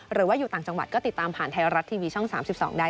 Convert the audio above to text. หรือว่าอยู่ต่างจังหวัดก็ติดตามผ่านไทยรัฐทีวีช่อง๓๒ได้